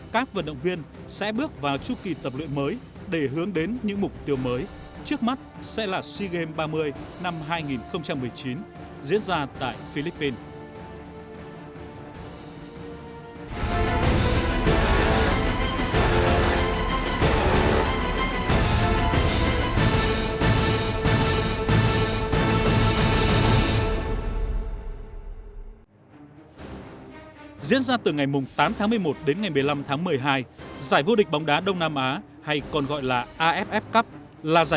các vận động viên của việt nam sẽ bắt tay vào chuẩn bị cho asean paragame lần thứ một mươi tại philippines vào năm hai nghìn một mươi chín và mục tiêu cao hơn là hứa đến paralympic tokyo vào năm hai nghìn một mươi chín